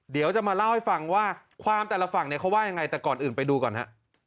เดี๋ยวจะมาเล่าให้ฟังว่าความแต่ละฝั่งเนี่ยเขาว่ายังไงแต่ก่อนอื่นไปดูก่อนฮะ